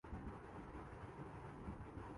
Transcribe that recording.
تو شاید کسی کی نظر ان پہ بھی تھی۔